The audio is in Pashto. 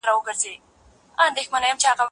نن څنګه و دې کور لره فساد راغلی دی